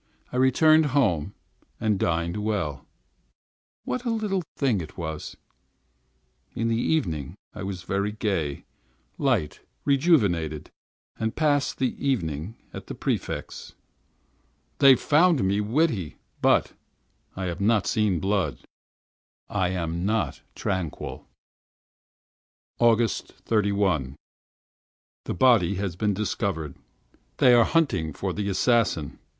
I returned home, and dined well. What a little thing it was! In the evening I was very gay, light, rejuvenated; I passed the evening at the Prefect's. They found me witty. But I have not seen blood! I am tranquil. 31st August. The body has been discovered. They are hunting for the assassin.